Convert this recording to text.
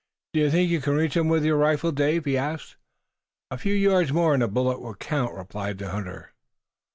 "Do you think you can reach them with your rifle, Dave?" he asked. "A few yards more and a bullet will count," replied the hunter.